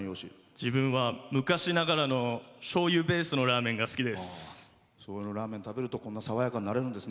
自分は昔ながらのしょうゆラーメンが好きです。